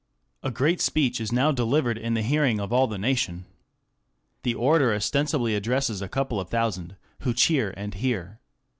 A great speech is now delivered in the hearing of all the nation. The orator ostensibly addresses a couple of thousand, who cheer and hear.